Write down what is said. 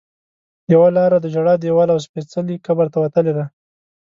یوه لاره د ژړا دیوال او سپېڅلي قبر ته وتلې ده.